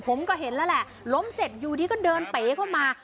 ผมก็เห็นแล้วแหละล้มเสร็จอยู่ดีก็เดินเป๋เข้ามา